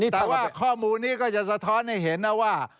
แต่ว่าข้อมูลนี้ก็จะสะท้อนให้เห็นนะว่า